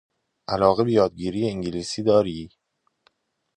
علاقه به یادگیری انگلیسی داری؟